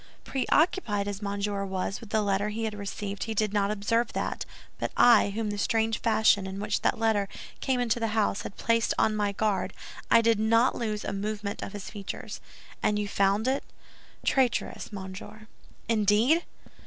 "Preoccupied as Monsieur was with the letter he had received, he did not observe that; but I, whom the strange fashion in which that letter came into the house had placed on my guard—I did not lose a movement of his features." "And you found it?" "Traitorous, monsieur." "Indeed!"